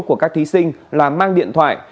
của các thí sinh là mang điện thoại